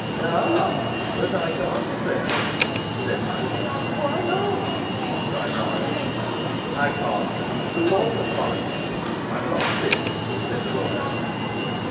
'Ah, but I can't declare it,' said Michael. 'Why not?' cried Morris. 'I can't produce the corpus, Morris. I've lost it,' said the lawyer.